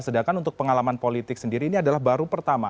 sedangkan untuk pengalaman politik sendiri ini adalah baru pertama